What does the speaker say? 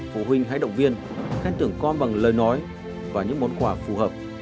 phụ huynh hãy động viên khen tưởng con bằng lời nói và những món quà phù hợp